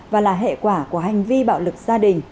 và là hệ quả của hành vi bạo lực gia đình